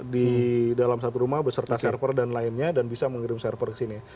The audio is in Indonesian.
di dalam satu rumah beserta server dan lainnya dan bisa mengirim server ke sini